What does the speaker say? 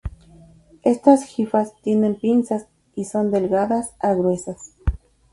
Estas hifas tienen pinzas, y son delgadas a gruesas.